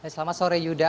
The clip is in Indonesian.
selamat sore yuda